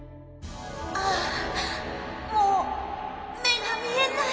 ああもう目が見えない。